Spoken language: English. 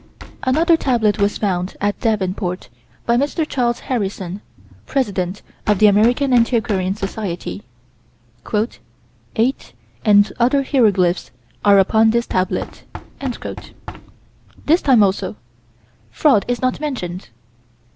Another tablet was found, at Davenport, by Mr. Charles Harrison, president of the American Antiquarian Society. "... 8 and other hieroglyphics are upon this tablet." This time, also, fraud is not mentioned.